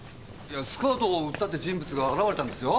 スカートを売ったって言う人物が現れたんですよ。